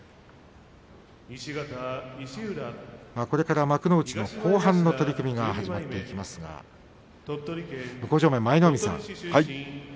これから幕内の後半の取組が始まっていきますが向正面の舞の海さん。